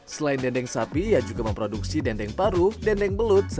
selain dendeng sapi ia juga memproduksi dendeng paru dendeng belut